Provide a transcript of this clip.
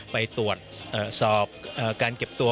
ไปตรวจสอบการเก็บตัว